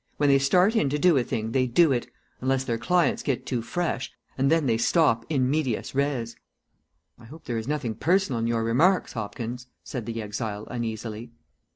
When they start in to do a thing they do it, unless their clients get too fresh, and then they stop in medias res." "I hope there is nothing personal in your remarks, Hopkins," said the exile, uneasily.